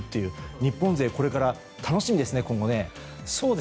日本勢これから楽しみですね、今後。